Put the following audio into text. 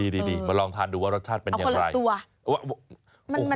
ดีมาลองทานดูว่ารสชาติเป็นอย่างไรเอาคนละตัว